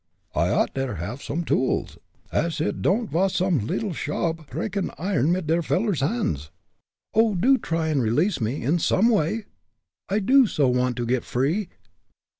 I ought der haff some tools, as id don'd vas some leedle shob preakin' iron mit a veller's hands." "Oh! do try and release me, in some way I do so want to get free!"